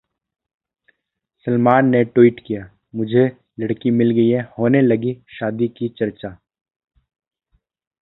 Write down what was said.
सलमान ने Tweet किया- मुझे लड़की मिल गई, होने लगी शादी की चर्चा